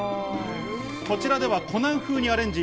こちらでは湖南風にアレンジ。